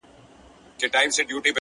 • ریښتیا زوال نه لري ,